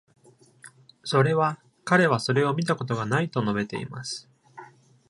それは、彼はそれを見たことがないと述べています。